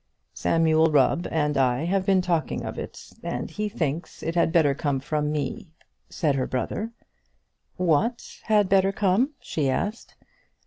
"Samuel Rubb and I have been talking of it, and he thinks it had better come from me," said her brother. "What had better come?" she asked.